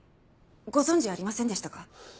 ご存じありませんでしたか？